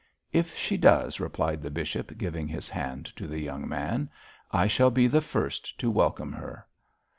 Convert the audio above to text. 'If she does,' replied the bishop, giving his hand to the young man, 'I shall be the first to welcome her.'